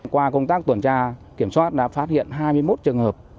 qua công tác tuần tra kiểm soát đã phát hiện hai mươi một trường hợp